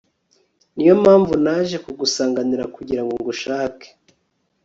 ni yo mpamvu naje kugusanganira kugira ngo ngushake